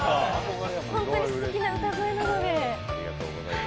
ホントにすてきな歌声なので。